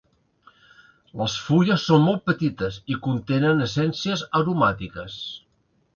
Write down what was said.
Les fulles són molt petites i contenen essències aromàtiques.